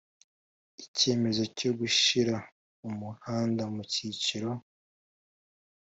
Icyemezo cyo gushyira umuhanda mu cyiciro